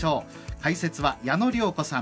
解説は矢野良子さん